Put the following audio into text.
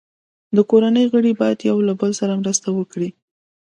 د کورنۍ غړي باید یو بل سره مرسته وکړي.